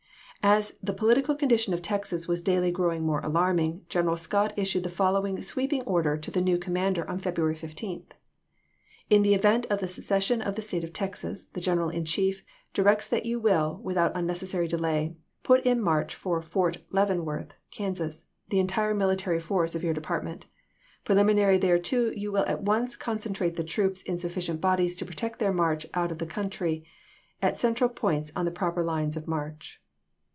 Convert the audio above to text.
As the political condition of Texas was daily grow ing more alarming. General Scott issued the fol lowing sweeping order to the new commander on February 15 :" In the event of the secession of the State of Texas, the General in Chief directs that you will, without unnecessary delay, put in march for Fort Leavenworth [Kansas] the entire military force of your department. Preliminary thereto you will at once concentrate the troops in sufficient bodies to protect their march out of the country, at central points on the proper lines of march."